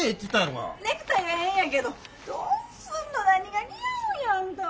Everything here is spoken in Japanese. ネクタイはええんやけどどうすんの何が似合うんよあんたは。